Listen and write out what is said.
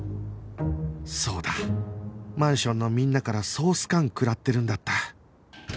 そうだマンションのみんなから総スカン食らってるんだった